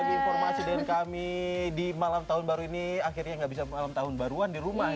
sudah berbagi informasi dengan kami di malam tahun baru ini akhirnya gak bisa malam tahun baru di rumah ya